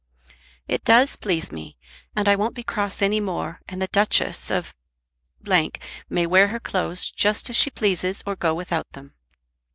"It does please me, and I won't be cross any more, and the Duchess of may wear her clothes just as she pleases, or go without them.